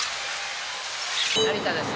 成田ですね。